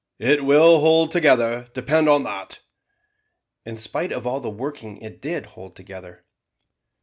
It will hold together, depend on that." In spite of all the working it did hold together.